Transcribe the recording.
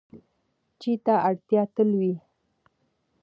چای ته اړتیا تل وي.